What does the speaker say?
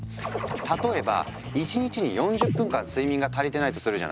例えば１日に４０分間睡眠が足りてないとするじゃない？